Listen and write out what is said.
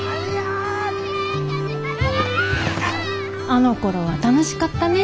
あのころは楽しかったね。